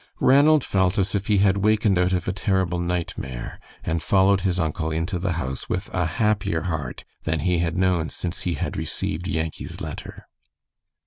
Ranald felt as if he had wakened out of a terrible nightmare, and followed his uncle into the house, with a happier heart than he had known since he had received Yankee's letter.